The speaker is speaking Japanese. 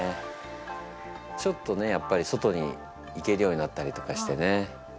ちょっとねやっぱり外に行けるようになったりとかしてね。